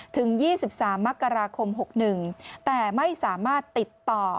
ถึง๒๓มกราคม๖๑แต่ไม่สามารถติดต่อ